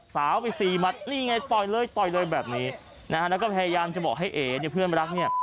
สาวไปสี่หมัดนี่ไงต่อยเลยแบบนี้แล้วก็พยายามจะบอกให้เอ๋เพื่อนรักเนี่ย